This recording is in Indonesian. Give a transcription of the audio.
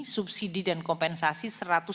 subsidi dan kompensasi satu ratus sembilan puluh sembilan